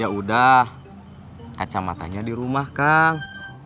ya udah kacamatanya di rumah kang